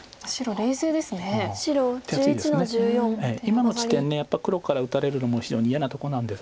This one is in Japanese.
今の地点やっぱ黒から打たれるのも非常に嫌なとこなんです。